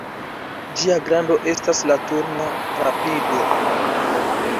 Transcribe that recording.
Ĝia grando estas la turna rapido.